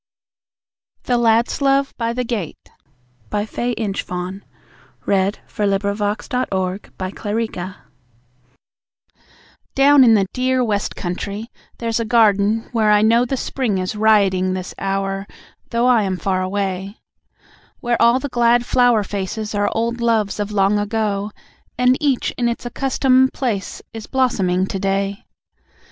n. The Lad's Love by the Gate Down in the dear West Country, there's a garden where I know The Spring is rioting this hour, though I am far away Where all the glad flower faces are old loves of long ago, And each in its accustomed place is blossoming to day.